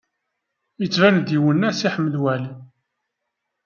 Yettban-d iwenneɛ Si Ḥmed Waɛli.